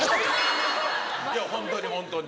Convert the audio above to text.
いやホントにホントに。